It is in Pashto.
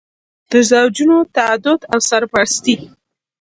د زوجونو تعدد او سرپرستي.